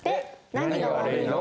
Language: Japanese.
何が悪いの？